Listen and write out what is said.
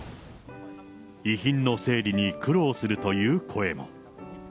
遺品の整理に苦労するという声も。